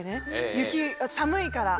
雪寒いから。